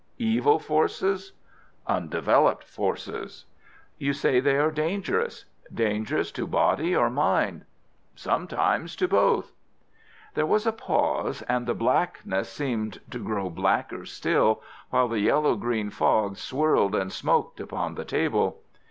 "Evil forces?" "Undeveloped forces." "You say they are dangerous. Dangerous to body or mind?" "Sometimes to both." There was a pause, and the blackness seemed to grow blacker still, while the yellow green fog swirled and smoked upon the table.